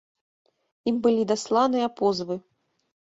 Ім былі дасланыя позвы.